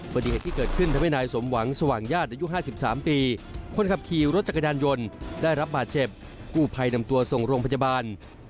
ปฏิเหตุที่เกิดขึ้นทำให้นายสมหวังสว่างญาติอายุ๕๓ปีคนขับขี่รถจักรยานยนต์ได้รับบาดเจ็บกู้ภัยนำตัวส่งโรงพยาบาล